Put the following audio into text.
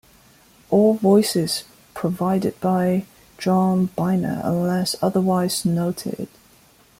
All voices provided by John Byner unless otherwise noted.